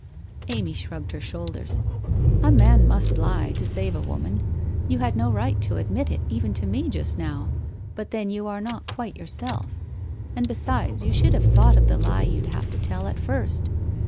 Amy shrugged her shoulders. ' A man must lie, to save a woman. You had no right to admit it even to me just now, but then you are not quite yourself. And be sides, you should have thought of the lie you'd have to tell at first.